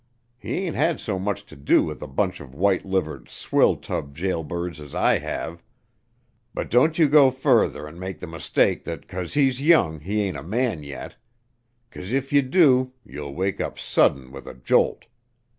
He hain't had so much to do with a bunch of white livered, swill tub jail birds as I have. But don't you go further an' make th' mistake thet 'cause he's young he ain't a man yet. 'Cause if ye do, ye'll wake up sudden with a jolt.